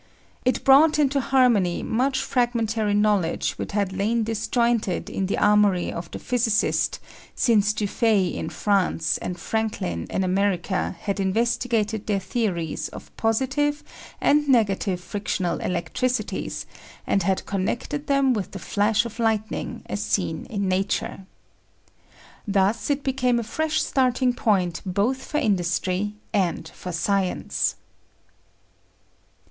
It brought into harmony much fragmentary knowledge which had lain disjointed in the armoury of the physicist since Dufay in France and Franklin in America had investigated their theories of positive and negative frictional electricities, and had connected them with the flash of lightning as seen in Nature. Thus it became a fresh starting point both for industry and for science.